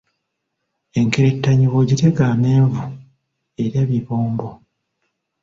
Enkerettanyi bw'ogitega amenvu erya bibombo.